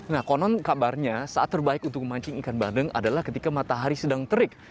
nah konon kabarnya saat terbaik untuk memancing ikan bandeng adalah ketika matahari sedang terik